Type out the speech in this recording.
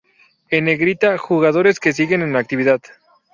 En negrita jugadores que siguen en actividad.